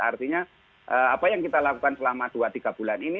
artinya apa yang kita lakukan selama dua tiga bulan ini